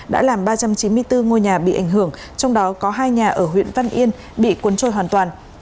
đã làm ba trăm chín mươi bốn ngôi nhà bị ảnh hưởng trong đó có hai nhà ở huyện văn yên bị cuốn trôi hoàn toàn